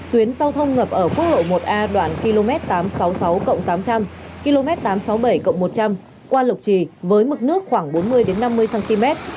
tuyến giao thông ngập ở quốc lộ một a đoạn km tám trăm sáu mươi sáu tám trăm linh km tám trăm sáu mươi bảy một trăm linh qua lục trì với mực nước khoảng bốn mươi năm mươi cm